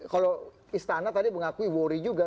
kalau istana tadi mengakui worry juga